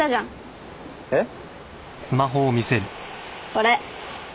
これ。